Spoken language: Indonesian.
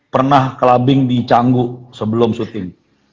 pernah clubbing di canggu sebelum syuting